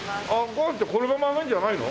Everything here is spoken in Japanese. ご飯ってこのままあげるんじゃないの？